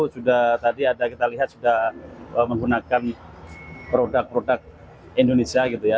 sudah tadi ada kita lihat sudah menggunakan produk produk indonesia gitu ya